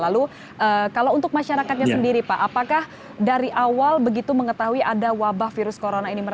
lalu kalau untuk masyarakatnya sendiri pak apakah dari awal begitu mengetahui ada wabah virus corona ini